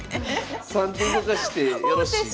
３手動かしてよろしいですね？